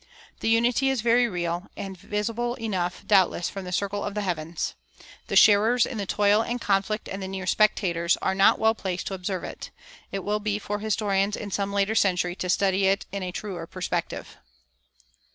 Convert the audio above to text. The unity is very real, and is visible enough, doubtless, from "the circle of the heavens." The sharers in the toil and conflict and the near spectators are not well placed to observe it. It will be for historians in some later century to study it in a truer perspective.